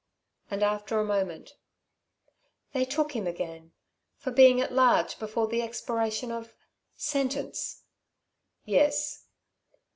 And after a moment: "They took him again for being at large before the expiration of ... sentence!" "Yes."